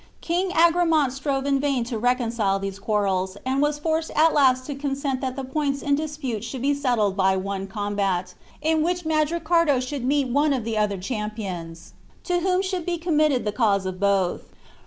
King Agramant strove in vain to reconcile these quarrels, and was forced at last to consent that the points in dispute should be settled by one combat, in which Mandricardo should meet one of the other champions, to whom should be committed the cause of both.